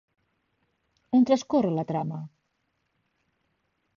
On transcorre la trama?